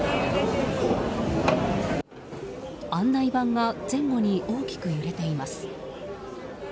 案内板が前後に大きく揺れています。